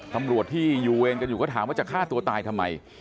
ตำรวจที่อยู่เวรกันอยู่ก็ถามว่าจะฆ่าตัวตายทำไม